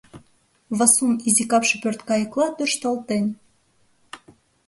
Васун изи капше пӧрткайыкла тӧршталтен.